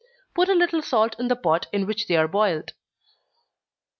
Put a little salt in the pot in which they are boiled.